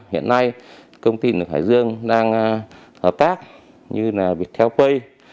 hiện nay công ty điện lực hải dương đang hợp tác như là viettel pay